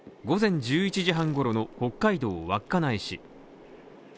午前１１時半頃の北海道稚内市。